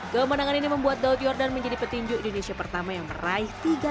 kemenangan ini membuat daud yordan menjadi petinju indonesia pertama yang meraih tiga